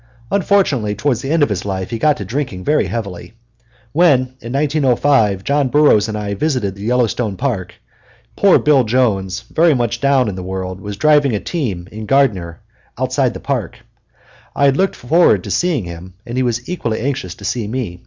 Unfortunately, toward the end of his life he got to drinking very heavily. When, in 1905, John Burroughs and I visited the Yellowstone Park, poor Bill Jones, very much down in the world, was driving a team in Gardiner outside the park. I had looked forward to seeing him, and he was equally anxious to see me.